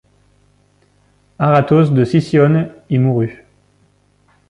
Aratos de Sicyone y mourut.